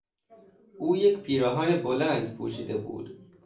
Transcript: او یک پیراهن بلند پوشیده بود.